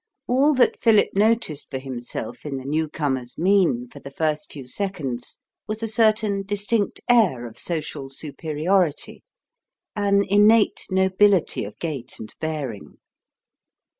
All that Philip noticed for himself in the newcomer's mien for the first few seconds was a certain distinct air of social superiority, an innate nobility of gait and bearing.